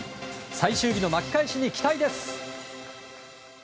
最終日の巻き返しに期待です。